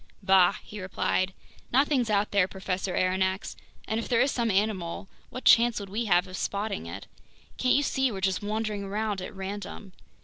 "Bah!" he replied. "Nothing's out there, Professor Aronnax, and if there is some animal, what chance would we have of spotting it? Can't you see we're just wandering around at random?